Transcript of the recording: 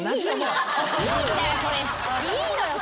いいのよ